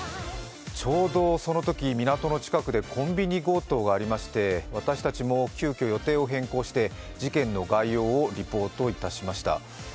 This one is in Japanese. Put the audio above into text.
ちょうどそのとき、港の近くでコンビニ強盗がありまして私たちも急きょ予定を変更して事件の概要をリポートいたしました。